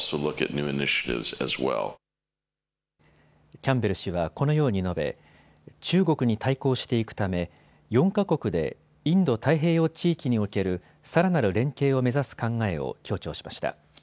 キャンベル氏はこのように述べ中国に対抗していくため４か国でインド太平洋地域におけるさらなる連携を目指す考えを強調しました。